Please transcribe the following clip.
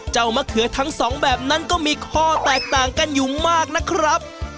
มะเขือทั้งสองแบบนั้นก็มีข้อแตกต่างกันอยู่มากนะครับ